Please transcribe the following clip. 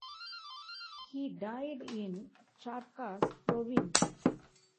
He died in Charcas Province.